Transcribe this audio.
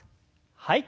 はい。